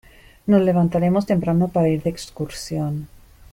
Nos levantaremos temprano para ir de excursión.